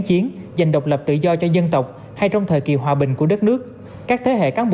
chiến giành độc lập tự do cho dân tộc hay trong thời kỳ hòa bình của đất nước các thế hệ cán